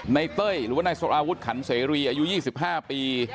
เต้ยหรือว่านายสลาวุฒิขันเสรีอายุ๒๕ปี